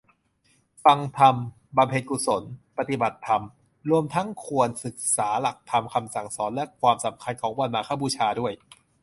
ฟังธรรม บำเพ็ญกุศล ปฏิบัติธรรม รวมทั้งควรศึกษาหลักธรรมคำสั่งสอน และความสำคัญของวันมาฆบูชาด้วย